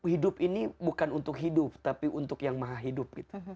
hidup ini bukan untuk hidup tapi untuk yang maha hidup